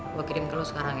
gue kirim ke lo sekarang ya